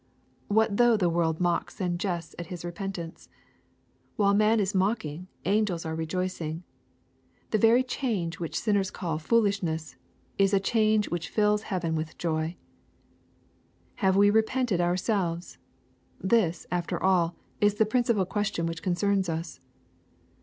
What though the world mocks and jests at his repentance ? While man is mock ing, angels are rejoicing. The very change which sinners call foolishness, is a change which fills heaven with joy. Have we repented ourselves ? This, after all, is the principal question which concerns us.